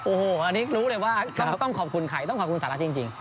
โอ้โหอันนี้รู้เลยว่าต้องขอบคุณใครต้องขอบคุณสหรัฐจริง